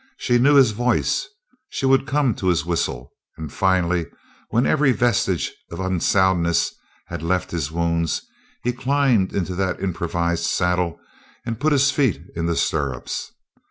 She knew his voice; she would come to his whistle; and finally, when every vestige of unsoundness had left his wounds, he climbed into that improvised saddle and put his feet in the stirrups.